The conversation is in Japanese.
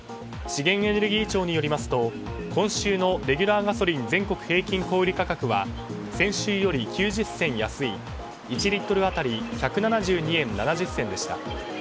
資源エネルギー庁によりますと今週のレギュラーガソリン全国平均小売価格は先週より９０銭安い１リットル当たり１７２円７０銭でした。